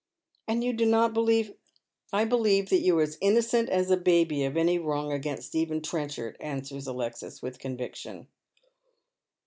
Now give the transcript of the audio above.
" And you do not believe "" I believe that you are as innocent as a baby of any wrong against Stephen Trenchard," answers Alexis with conviction.